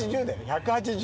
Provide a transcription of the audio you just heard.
１８０。